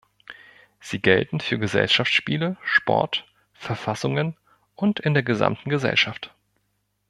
Sie gelten für Gesellschaftsspiele, Sport, Verfassungen und in der gesamten Gesellschaft.